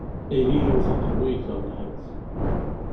Ihi wwet aqeṛṛu-yik ɣer lḥiḍ!